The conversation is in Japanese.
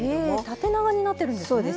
縦長になってるんですね。